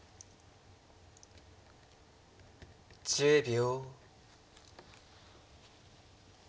１０秒。